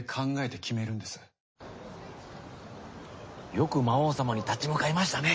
よく魔王様に立ち向かいましたね。